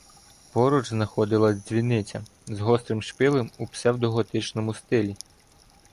Поруч знаходилась дзвіниця з гострим шпилем у псевдоготичному стилі.